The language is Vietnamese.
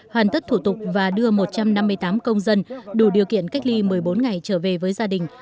hoàn tất thủ tục và đưa một trăm năm mươi tám công dân đủ điều kiện cách ly một mươi bốn ngày trở về với gia đình